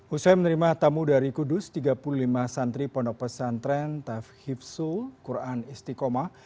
usai menerima tamu dari kudus tiga puluh lima santri pondok pesantren tafhifsul quran istiqomah